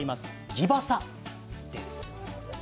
ギバサです。